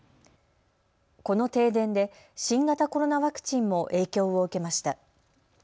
この停電で新型コロナワクチンも影響を受けました。